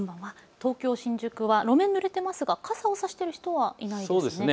東京新宿は路面はぬれていますが傘を差している人はいないですね。